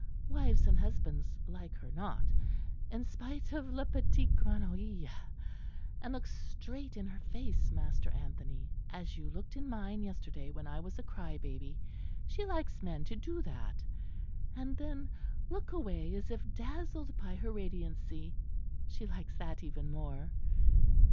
Wives and husbands like her not in spite of le petit grenouille. And look straight in her face, Master Anthony, as you looked in mine yesterday when I was a cry baby. She likes men to do that. And then look away as if dazzled by her radiancy. She likes that even more."